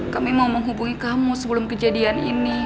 kami mau menghubungi kamu sebelum kejadian ini